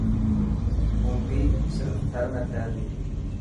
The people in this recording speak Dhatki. کومبي صرف ٿر ۾ ٿي تي.